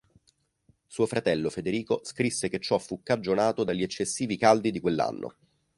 Suo fratello Federico scrisse che ciò fu cagionato dagli eccessivi caldi di quell'anno.